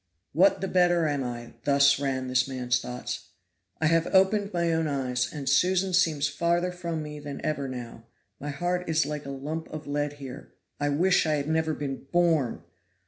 "What the better am I?" thus ran this man's thoughts. "I have opened my own eyes, and Susan seems farther from me than ever now my heart is like a lump of lead here I wish I had never been born!